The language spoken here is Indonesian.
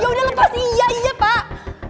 ya udah lepas iya iya pak